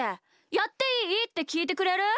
「やっていい？」ってきいてくれる？